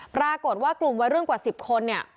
ปรากฏว่ากลุ่มวัยรุ่นกว่า๑๐คนเนี่ย